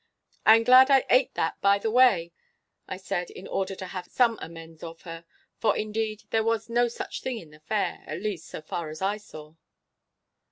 'I am glad I ate that by the way,' I said, in order to have some amends of her; for, indeed, there was no such thing in the fair, at least so far ar I saw.